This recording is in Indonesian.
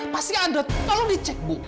pasti anda tolong dicek bu